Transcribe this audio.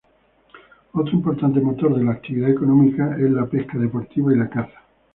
Otro importante motor de la actividad económica es la pesca deportiva y la caza.